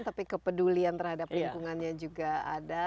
tapi kepedulian terhadap lingkungannya juga ada